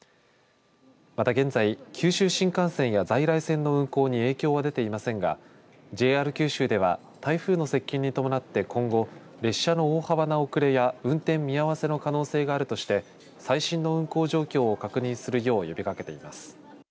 また現在、九州新幹線や在来線の運行に影響は出ていませんがＪＲ九州では台風の接近に伴って今後列車の大幅な遅れや運転見合わせの可能性があるとして最新の運行状況を確認するよう呼びかけています。